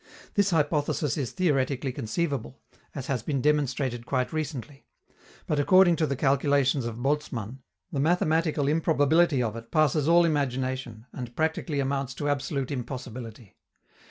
This hypothesis is theoretically conceivable, as has been demonstrated quite recently; but, according to the calculations of Boltzmann, the mathematical improbability of it passes all imagination and practically amounts to absolute impossibility.